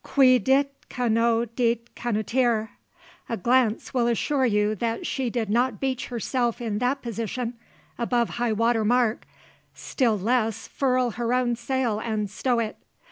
Qui dit canot dit canotier a glance will assure you that she did not beach herself in that position, above high water mark, still less furl her own sail and stow it.